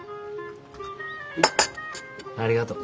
ありがとう。